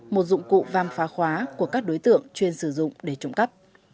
một dụng cụ vam phá khóa của các đối tượng chuyên sử dụng để trộm cắp